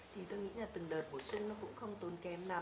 thì tôi nghĩ là từng đợt bổ sung nó cũng không tốn kém lắm